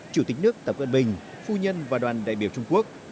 chủ tịch nước tập cận bình phu nhân và đoàn đại biểu trung quốc